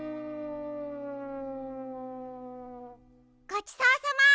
ごちそうさま！